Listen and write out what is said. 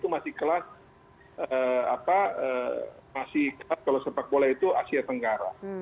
masih kelas asia tenggara